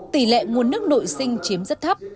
tỷ lệ nguồn nước nội sinh chiếm rất thấp